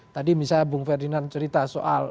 tadi misalnya bung ferdinand cerita soal